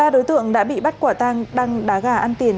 một mươi ba đối tượng đã bị bắt quả tang đăng đá gà ăn tiền